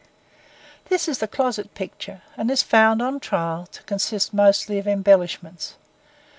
This is the closet picture, and is found, on trial, to consist mostly of embellishments.